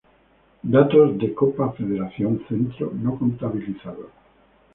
Datos de Copa Federación Centro no contabilizados.